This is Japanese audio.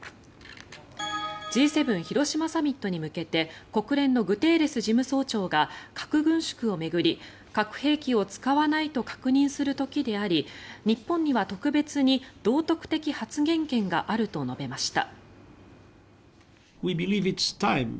Ｇ７広島サミットに向けて国連のグテーレス事務総長が核軍縮を巡り核兵器を使わないと確認する時であり日本には特別に道徳的発言権があると述べました。